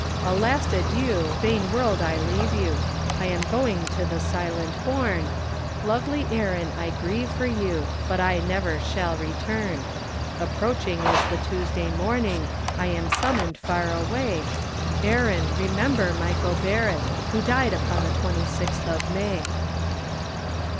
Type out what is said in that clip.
A last adieu, vain world, I leave you, I am going to the silent bourne, Lovely Erin, I grieve for you But I never shall return; Approaching is the Tuesday morning, I am summonsed far away, Erin, remember Michael Barrett, Who died upon the twenty sixth of May.